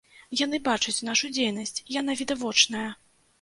Яны бачаць нашу дзейнасць, яна відавочная.